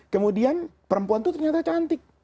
kemudian perempuan itu ternyata cantik